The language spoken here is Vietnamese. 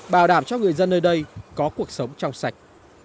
bảo đảm cho người dân nơi đây có cuộc sống trong sạch